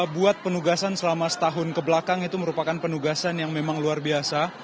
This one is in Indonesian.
buat penugasan selama setahun kebelakang itu merupakan penugasan yang memang luar biasa